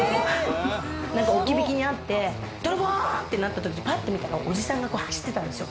置き引きにあって、泥棒ってなったときにぱっと見たら、おじさんが走ってたんですよ。